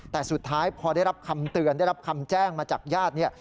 แต่สุดท้ายพอได้รับคำเตือนได้รับคำแจ้งมาจากญาติเนี่ย